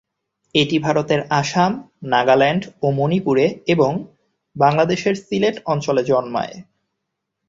এটি ভারতের আসাম, নাগাল্যান্ড ও মণিপুরে, এবং বাংলাদেশের সিলেট অঞ্চলে জন্মায়।